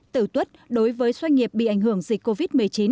tử tuất đối với doanh nghiệp bị ảnh hưởng dịch covid một mươi chín